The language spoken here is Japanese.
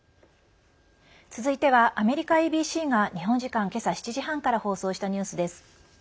続いてはアメリカＡＢＣが日本時間、今朝７時半から放送したニュースです。